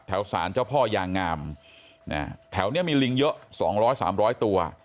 แถวศาลเจ้าพ่อยางงามแถวเนี้ยมีลิงเยอะสองร้อยสามร้อยตัว